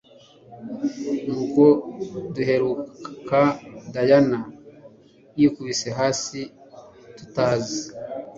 Nuko duhereruka Diane yikubise hasi Tutazi